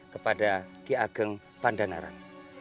kepada ki ageng pandanaran